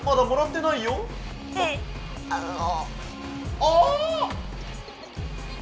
ああ。